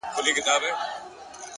هوډ د ناکامۍ ویره کموي,